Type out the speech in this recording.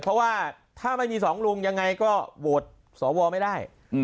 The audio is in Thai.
เพราะว่าถ้าไม่มีสองลุงยังไงก็โหวตสวไม่ได้